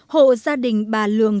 hộ gia đình bà lương